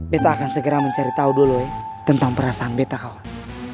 betta akan segera mencari tahu dulu ya tentang perasaan betta kawan